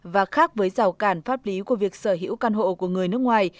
và khác với rào cản pháp lý của việc sở hữu căn hộ của người nước ngoài